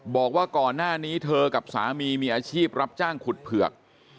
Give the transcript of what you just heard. บอกว่าก่อนหน้านี้เธอกับสามีมีอาชีพรับจ้างขุดเผือก